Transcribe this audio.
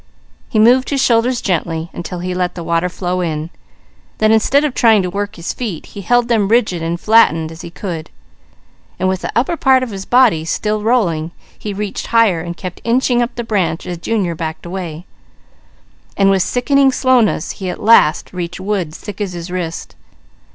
He moved his shoulders gently, until he let the water flow in, then instead of trying to work his feet he held them rigid and flattened as he could, and with the upper part of his body still rolling, he reached higher, and kept inching up the branch as Junior backed away, until with sickening slowness he at last reached wood thick as his wrist.